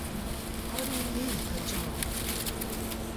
How do you mean, a job?